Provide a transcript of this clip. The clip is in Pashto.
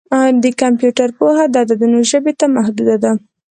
د کمپیوټر پوهه د عددونو ژبې ته محدوده ده.